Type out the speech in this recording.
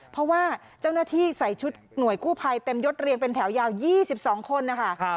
เพราะว่าเจ้าหน้าที่ใส่ชุดหน่วยกู้ภัยเต็มยดเรียงเป็นแถวยาว๒๒คนนะคะ